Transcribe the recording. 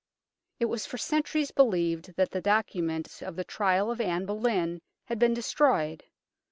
It was for centuries believed that the docu ments of the trial of Anne Boleyn had been destroyed.